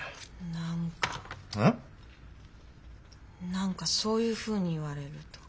何かそういうふうに言われると。